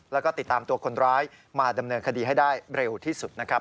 แล้วก็ติดตามตัวคนร้ายมาดำเนินคดีให้ได้เร็วที่สุดนะครับ